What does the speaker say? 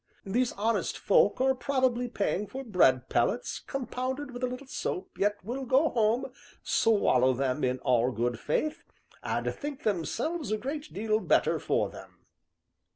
These honest folk are probably paying for bread pellets compounded with a little soap, yet will go home, swallow them in all good faith, and think themselves a great deal better for them."